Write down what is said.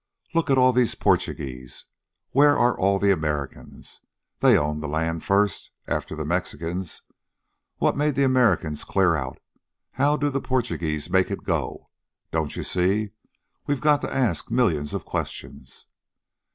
Look at all these Portuguese. Where are all the Americans? They owned the land first, after the Mexicans. What made the Americans clear out? How do the Portuguese make it go? Don't you see? We've got to ask millions of questions."